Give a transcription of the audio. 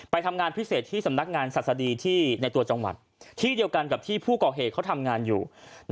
ทำงานพิเศษที่สำนักงานศาสดีที่ในตัวจังหวัดที่เดียวกันกับที่ผู้ก่อเหตุเขาทำงานอยู่